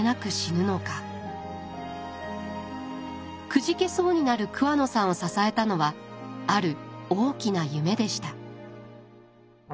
くじけそうになる桑野さんを支えたのはある大きな夢でした。